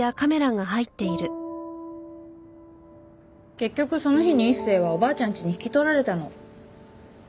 結局その日に一星はおばあちゃんちに引き取られたの。